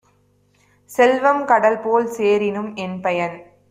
செல்வம் கடல்போல் சேரினும் என்பயன்?